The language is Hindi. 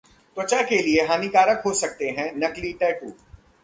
त्वचा के लिए हानिकारक हो सकते हैं नकली टैटू